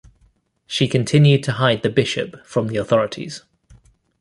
She continued to hide the bishop from the authorities.